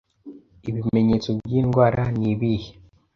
Ibimenyetso by'iyi ndwara ni ibihe